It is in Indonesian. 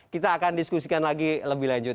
kita akan diskusikan lagi lebih lanjut